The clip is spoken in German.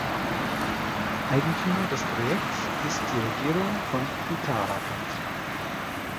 Eigentümer des Projekts ist die Regierung von Uttarakhand.